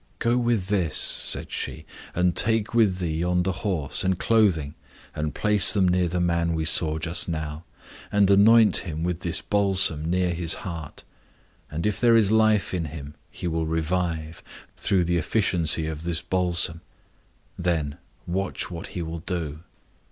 "Go with this," said she, "and take with thee yonder horse, and clothing, and place them near the man we saw just now; and anoint him with this balsam near his heart; and if there is life in him, he will revive, through the efficiency of this balsam. Then watch what he will do."